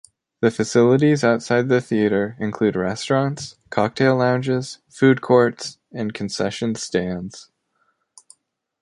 Its facilities outside the theater include restaurants, cocktail lounges, food courts, and concession stands.